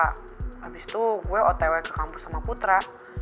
habis itu gue otw ke kampus sama putra